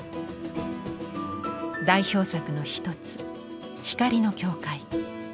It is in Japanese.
代表作の一つ「光の教会」。